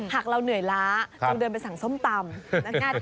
หากเราเหนื่อยล้าจงเดินไปสั่งส้มตำ